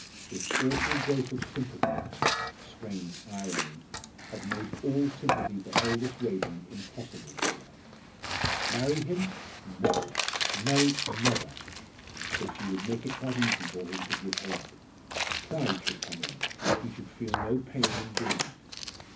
This awful growth of sympathy in her strange irony! had made all sympathy for Aldous Raeburn impossible to her. Marry him? no! no! never! But she would make it quite easy to him to give her up. Pride should come in he should feel no pain in doing it.